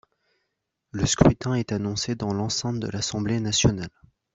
Le scrutin est annoncé dans l’enceinte de l’Assemblée nationale.